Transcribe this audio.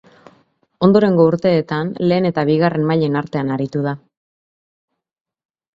Ondorengo urteetan lehen eta bigarren mailen artean aritu da.